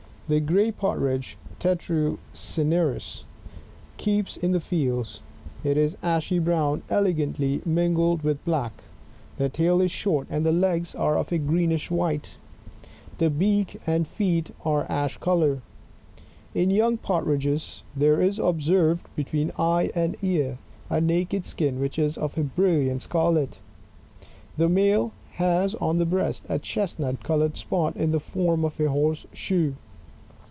The Grag Partridgej^Tettao cinerevs, — keeps in the fields ; it is ashy brown elegantly mingled with black ; the tail is short and the legs are of a greenish wliite ; the beak and feet are ash colour. In young Partridges there is observed, between eye and ear, a naked skin which is of a brilliant scarlet. The male has on the breast a chestnut coloured spot in the form of a horse shoe.